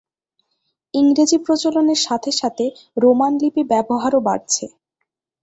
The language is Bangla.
ইংরেজির প্রচলনের সাথে সাথে রোমান লিপি ব্যবহারও বাড়ছে।